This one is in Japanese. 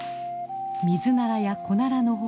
ミズナラやコナラの他